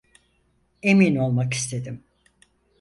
Emin olmak istedim.